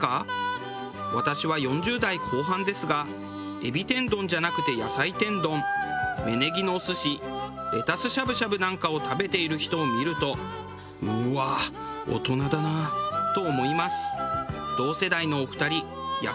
エビ天丼じゃなくて野菜天丼芽ネギのお寿司レタスしゃぶしゃぶなんかを食べている人を見ると「うわあ大人だな」と思います。